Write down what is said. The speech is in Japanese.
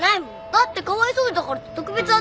だってかわいそうだからって特別扱いしてんじゃん。